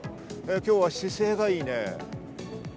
きょうは姿勢がいいね。